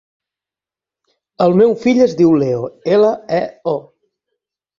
El meu fill es diu Leo: ela, e, o.